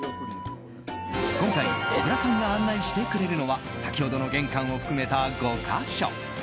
今回、小倉さんが案内してくれるのは先ほどの玄関を含めた５か所。